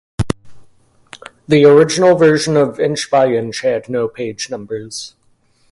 The original version of "Inch by Inch" had no page numbers.